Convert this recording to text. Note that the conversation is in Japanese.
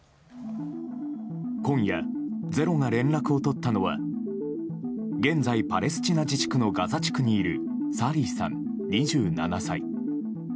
今夜「ｚｅｒｏ」が連絡を取ったのは現在パレスチナ自治区のガザ地区にいるサリーさん、２７歳。